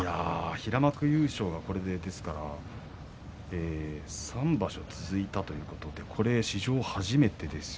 平幕優勝がこれで３場所続いたということでこれは史上初めてです。